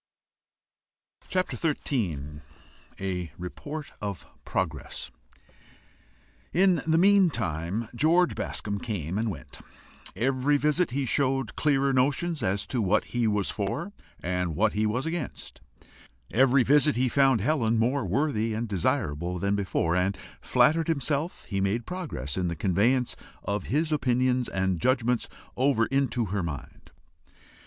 CHAPTER XIII. A REPORT OF PROGRESS. In the meantime George Bascombe came and went; every visit he showed clearer notions as to what he was for, and what he was against; every visit he found Helen more worthy and desirable than theretofore, and flattered himself he made progress in the conveyance of his opinions and judgments over into her mind.